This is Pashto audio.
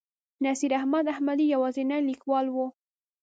نصیر احمد احمدي یوازینی لیکوال و.